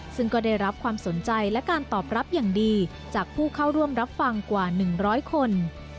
ซึ่งก็ได้รับความสนใจและการตอบรับอย่างดีจากผู้เข้าร่วมรับฟังกว่า๑๐๐คน